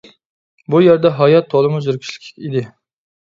بۇ يەردە ھايات تولىمۇ زېرىكىشلىك ئىدى.